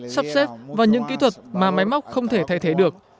sắp xếp vào những kỹ thuật mà máy móc không thể thay thế được